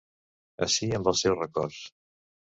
Ací, amb els teus records.